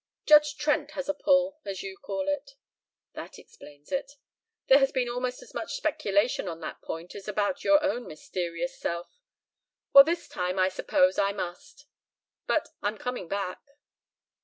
"Judge Trent has a pull, as you call it." "That explains it. There has been almost as much speculation on that point as about your own mysterious self. Well, this time I suppose I must. But I'm coming back."